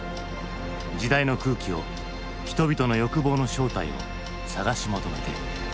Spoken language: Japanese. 時代の空気を人々の欲望の正体を探し求めて。